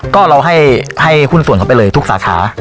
ก็เราให้หุ้นส่วนเขาไปเลยทุกสาขา